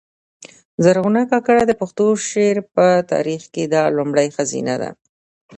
زرغونه کاکړه د پښتو شعر په تاریخ کښي دا لومړۍ ښځه ده.